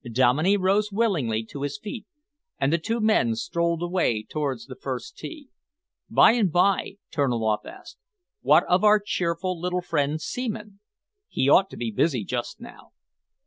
Dominey rose willingly to his feet, and the two men strolled away towards the first tee. "By the by," Terniloff asked, "what of our cheerful little friend Seaman? He ought to be busy just now."